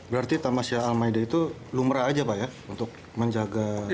berarti tamasya al maida itu lumrah saja pak untuk menjaga tps